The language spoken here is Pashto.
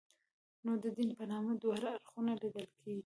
نو د دین په نامه دواړه اړخونه لیدل کېږي.